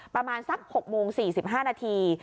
ประมาณสัก๖โมง๔๕นาที